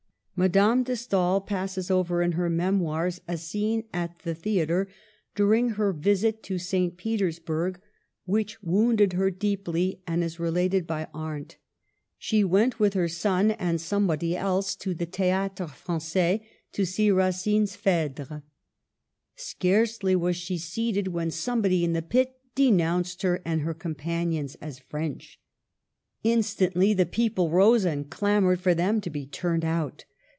Madame de Stael passes over in her Memoirs Digitized by VjOOQLC SECOND MARRIAGE. Iff a scene at the theatre, during her visit to St Petersburg, which wounded her deeply, and is related by Arndt. She went with her son and somebody else to the " Theatre Franjais," to see Racine's Phedre. Scarcely was she seated, when somebody in the pit denounced her and her com panions as French. Instantly the people rose and clamored for them to be turned out.